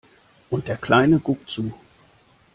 Und der Kleine guckt zu.